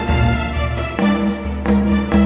jangan lupa joko tingkir